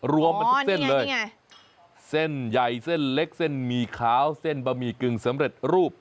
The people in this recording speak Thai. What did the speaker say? รวมมันทุกเส้นเลยเส้นใหญ่เส้นเล็กเส้นหมี่ขาวเส้นบะหมี่กึ่งสำเร็จรูป